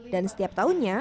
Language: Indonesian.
dan setiap tahunnya